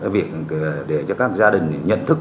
việc để cho các gia đình nhận thức